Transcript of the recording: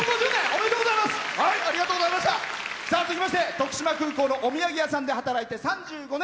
続きまして、徳島空港のお土産屋さんで働いて３５年。